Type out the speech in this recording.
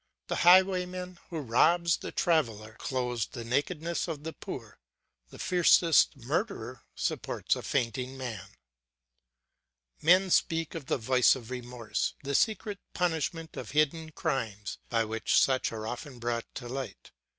The highwayman who robs the traveller, clothes the nakedness of the poor; the fiercest murderer supports a fainting man. Men speak of the voice of remorse, the secret punishment of hidden crimes, by which such are often brought to light.